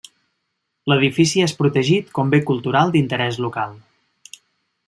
L'edifici és protegit com bé cultural d'interès local.